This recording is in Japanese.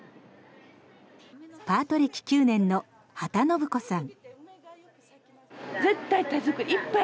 パート歴９年の波多信子さん。